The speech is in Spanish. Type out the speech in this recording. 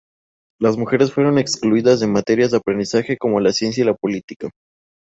Las mujeres fueron excluidas de materias de aprendizaje como la ciencia y la política.